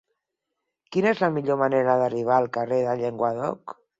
Quina és la millor manera d'arribar al carrer del Llenguadoc?